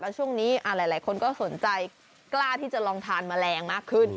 ช่วงนี้หลายคนก็สนใจกล้าที่จะลองทานแมลงมากขึ้น